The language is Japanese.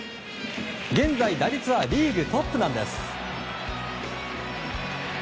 現在、打率はリーグトップなんです。